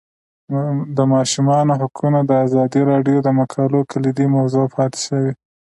د ماشومانو حقونه د ازادي راډیو د مقالو کلیدي موضوع پاتې شوی.